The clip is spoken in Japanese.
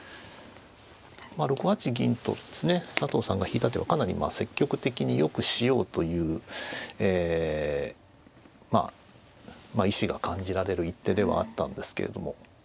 ６八銀と佐藤さんが引いた手はかなり積極的に良くしようという意思が感じられる一手ではあったんですけれども。